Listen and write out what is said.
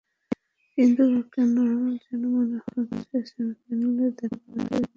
কিন্তু কেন যেন মনে হচ্ছে সেমিফাইনালে দাঁড়ানোর আগে ভারতের একটা কঠিন ম্যাচ দরকার।